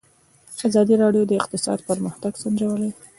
ازادي راډیو د اقتصاد پرمختګ سنجولی.